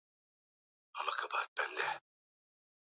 kama ni mboga au kama ni matunda